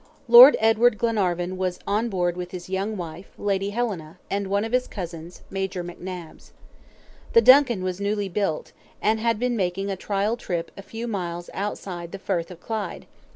Lord Edward Glenarvan was on board with his young wife, Lady Helena, and one of his cousins, Major McNabbs. The DUNCAN was newly built, and had been making a trial trip a few miles outside the Firth of Clyde.